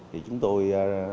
thì chúng tôi